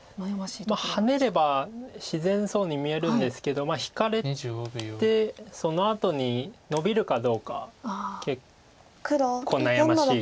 ハネれば自然そうに見えるんですけど引かれてそのあとにノビるかどうか結構悩ましい。